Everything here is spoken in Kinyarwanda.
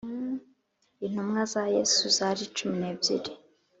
intumwa za yesu zari cumi nebyiri